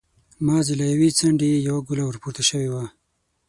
مازې له يوې څنډې يې يوه ګوله ور پورته شوې وه.